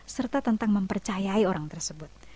serta tentang mempercayai orang tersebut